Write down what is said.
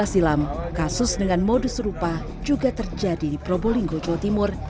dua belas silam kasus dengan modus serupa juga terjadi di probolinggo jawa timur